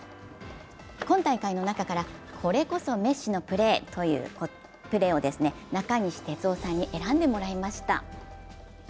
今大会の中から、これこそメッシのプレーを中西哲生さんに選んでもらいました。